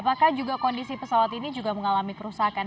apakah juga kondisi pesawat ini juga mengalami kerusakan